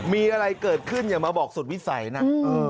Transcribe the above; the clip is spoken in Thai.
มีอะไรเกิดขึ้นอย่ามาบอกสุดวิสัยนะ